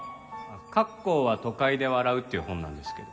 『郭公は都会で笑う』っていう本なんですけど。